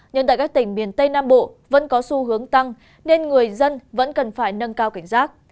nhưng tại các tỉnh miền tây nam bộ vẫn có xu hướng tăng nên người dân vẫn cần phải nâng cao cảnh giác